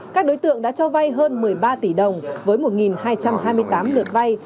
các đối tượng đã cho vay hơn một mươi ba tỷ đồng với một hai trăm hai mươi tám lượt vay